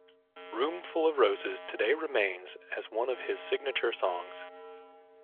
"Room Full of Roses" today remains as one of his signature songs.